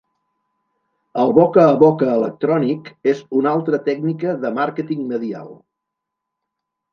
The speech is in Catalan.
El boca a boca electrònic és una altra tècnica de màrqueting medial.